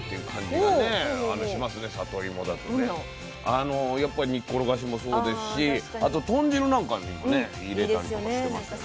あのやっぱり煮っころがしもそうですしあと豚汁なんかにもね入れたりとかしてましたね。